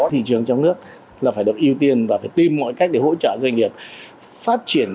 thị trường trong nước là phải được ưu tiên và phải tìm mọi cách để hỗ trợ doanh nghiệp phát triển